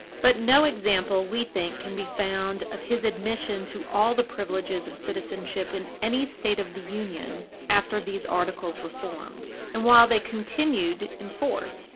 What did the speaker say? But no example, we think, can be found of his admission to all the privileges of citizenship in any State of the Union after these Articles were formed, and while they continued in force.